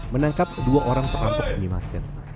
menangkap dua orang terantuk penyimpanan